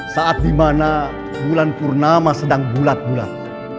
saat dimana bulan purnama sedang bulat bulat